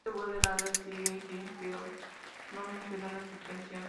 El sitio web de la red sigue en pie, pero no menciona la suspensión.